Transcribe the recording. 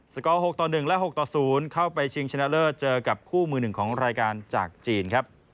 กอร์๖ต่อ๑และ๖ต่อ๐เข้าไปชิงชนะเลิศเจอกับคู่มือหนึ่งของรายการจากจีนครับ